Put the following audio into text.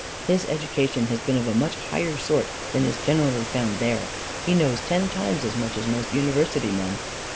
His education has been of a much higher sort than is generally found there. He knows ten times as much as most university men."